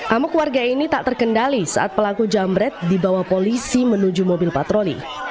amuk warga ini tak terkendali saat pelaku jambret dibawa polisi menuju mobil patroli